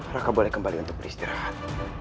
mereka boleh kembali untuk beristirahat